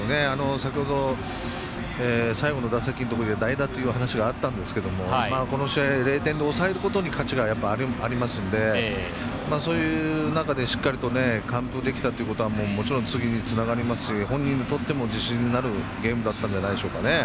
先ほど、最後の打席代打というところありましたがこの試合、０点で抑えることに価値がありますのでそういう中で、しっかりと完封できたということはもちろん、次につながりますし本人にとっても自信になるゲームだったんじゃないですかね。